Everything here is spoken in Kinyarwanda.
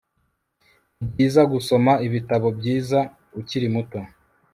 Nibyiza gusoma ibitabo byiza ukiri muto